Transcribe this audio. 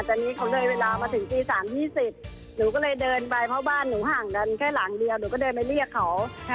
ตอนนี้เขาเลยเวลามาถึงตี๓๒๐หนูก็เลยเดินไปเพราะบ้านหนูห่างกันแค่หลังเดียวหนูก็เดินไปเรียกเขา